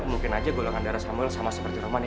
mungkin aja golongan darah sambal sama seperti roman ya